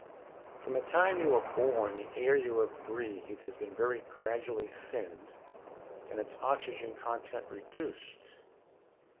"From the time you were born the air you have breathed has been very gradually thinned and its oxygen content reduced.